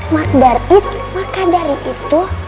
maka dari itu